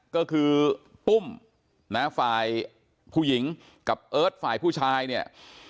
ก็คือปุ้มนะฝ่ายผู้หญิงกับเอิร์ทฝ่ายผู้ชายเนี่ย